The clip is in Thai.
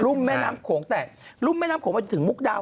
ุ่มแม่น้ำโขงแต่รุ่มแม่น้ำโขงมันถึงมุกดา